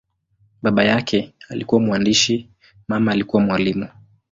Baba yake alikuwa mwandishi, mama alikuwa mwalimu.